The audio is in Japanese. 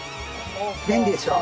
便利でしょう？